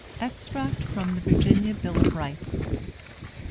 EXTRACT FROM THE VIRGINIA BILL OF RIGHTS.